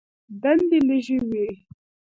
دندې لږې وې.